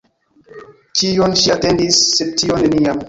Ĉion ŝi atendis, sed tion — neniam.